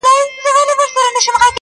لا خو زما او د قاضي یوشان رتبه ده,